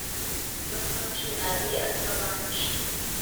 amasaha cumi n abiri atabanje